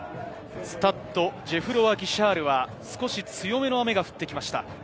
スタッド・ジェフロワ・ギシャールは少し強めの雨が降ってきました。